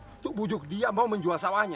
untuk bujuk dia mau menjual sawahnya